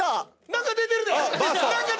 何か出てる！